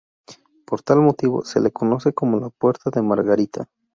Por tal motivo, se le conoce como "la puerta de Margarita".